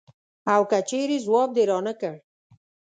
او که چېرې ځواب دې رانه کړ.